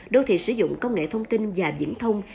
đô thị sử dụng công nghệ thông tin và diễn thông